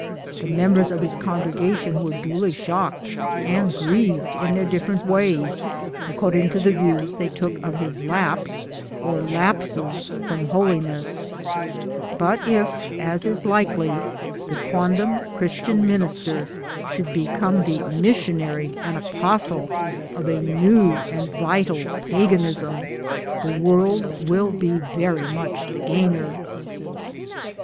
The members of his congregation were duly shocked and grieved in their different ways, according to the views they took of his lapse or lapses from holiness ; but if, as is likely, the quondam Christian minister should become the mis sionary and apostle of a new and vital Paganism, the world will be very much the gainer.